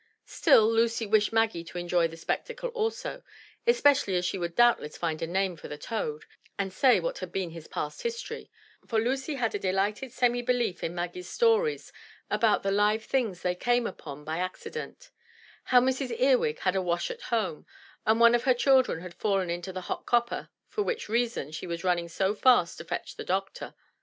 Still Lucy wished Maggie to enjoy the spectacle also, especially as she would doubtless find a name for the toad, and say what had been his past history; for Lucy had a delighted semi belief in Maggie's stories about the live things they came upon by accident, — how Mrs. Earwig had a wash at home, and one of her children had fallen into the hot copper for which reason she was running so fast to fetch the doctor.